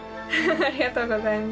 ありがとうございます。